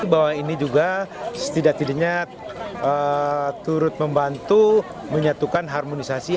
bahwa ini juga setidak tidaknya turut membantu menyatukan harmonisasi